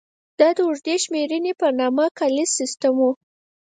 دا د اوږدې شمېرنې په نامه کالیز سیستم و.